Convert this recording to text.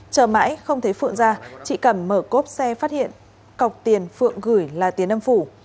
chờ mãi không thấy phượng ra chị cẩm mở cốp xe phát hiện cọc tiền phượng gửi là tiền âm phủ